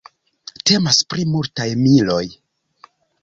Temas pri multaj miloj.